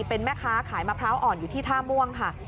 เป็นแม่ค้าขายมะพร้าวอ่อนอยู่ที่ท่าม่วงค่ะ